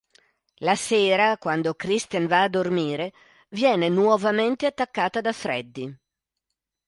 La sera, quando Kristen va a dormire, viene nuovamente attaccata da Freddy.